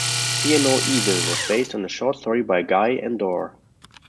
"Fear No Evil" was based on a short story by Guy Endore.